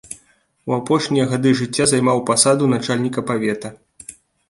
У апошнія гады жыцця займаў пасаду начальніка павета.